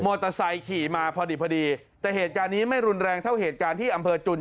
เตอร์ไซค์ขี่มาพอดีพอดีแต่เหตุการณ์นี้ไม่รุนแรงเท่าเหตุการณ์ที่อำเภอจุน